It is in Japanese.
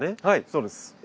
はいそうです。